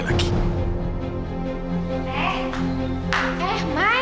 ada siapa wih